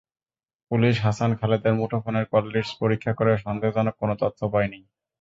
Police Hasan খালেদের মুঠোফোনের call list পরীক্ষা করেও সন্দেহজনক কোনো তথ্য পায়নি।